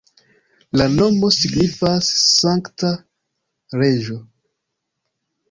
La nomo signifas sankta reĝo.